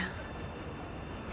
sebagai dewan penasehat